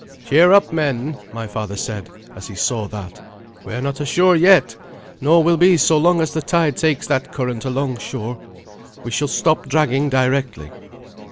"Cheer up, men," my father said, as he saw that; "we are not ashore yet, nor will be so long as the tide takes that current along shore. We shall stop dragging directly."